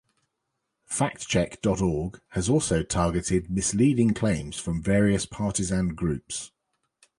FactCheck dot org has also targeted misleading claims from various partisan groups.